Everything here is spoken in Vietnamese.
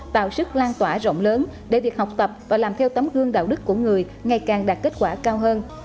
tạo sức lan tỏa rộng lớn để việc học tập và làm theo tấm gương đạo đức của người ngày càng đạt kết quả cao hơn